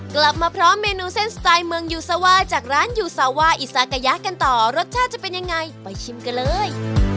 กลับมาพร้อมเมนูเส้นสไตล์เมืองยูซาว่าจากร้านยูซาว่าอิซากะยะกันต่อรสชาติจะเป็นยังไงไปชิมกันเลย